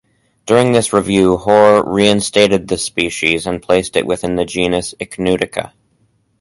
During this review Hoare reinstated this species and placed it within the genus "Ichneutica".